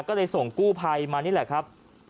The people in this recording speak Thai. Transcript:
ก็เลยส่งกู้ภัยมานี่แหละครับ